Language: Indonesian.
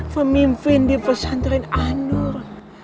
femimpin di fesantrin anur